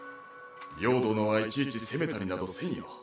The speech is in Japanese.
葉殿はいちいち責めたりなどせんよ。